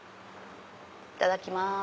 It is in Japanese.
いただきます。